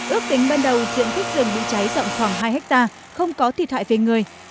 ước tính ban đầu diện tích rừng bị cháy rộng khoảng hai hectare không có thiệt hại về người